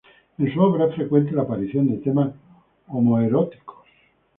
En su obra es frecuente la aparición de temas homoeróticos.